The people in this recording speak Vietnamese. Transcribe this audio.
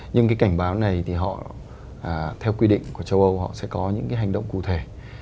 nhưng cái cảnh báo này thì họ theo quy định của châu âu họ sẽ có những cái hành động cụ thể